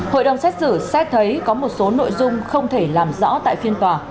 hội đồng xét xử xét thấy có một số nội dung không thể làm rõ tại phiên tòa